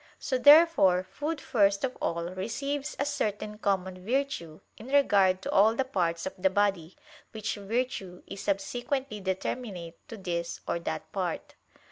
So therefore food first of all receives a certain common virtue in regard to all the parts of the body, which virtue is subsequently determinate to this or that part.